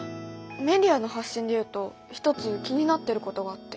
メディアの発信で言うと一つ気になってることがあって。